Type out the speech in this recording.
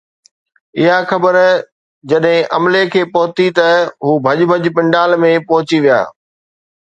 اها خبر جڏهن عملي کي پهتي ته هو ڀڄ ڀڄ پنڊال ۾ پهچي ويا.